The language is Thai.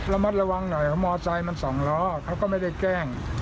ละมัดระวังหน่อยเค้ามอเตอร์ไซค์มันส่องล้อเค้าก็ไม่ได้แตก